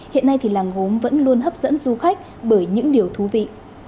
hiện nay thì làng gốm vẫn luôn hấp dẫn du khách bởi những điều thú vị